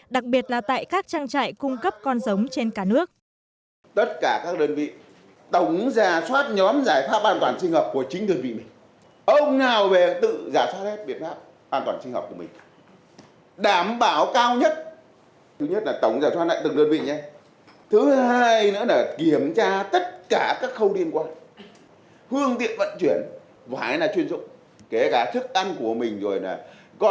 đặc biệt là tại các trang trại cung cấp con giống trên cả nước